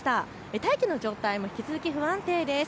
大気の状態も引き続き不安定です。